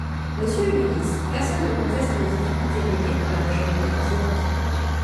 Monsieur le ministre, personne ne conteste les difficultés léguées par la majorité précédente.